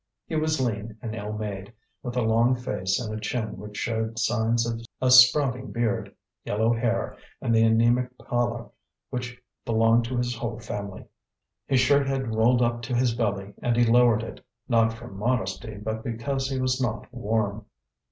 He was lean and ill made, with a long face and a chin which showed signs of a sprouting beard, yellow hair, and the anaemic pallor which belonged to his whole family. His shirt had rolled up to his belly, and he lowered it, not from modesty but because he was not warm.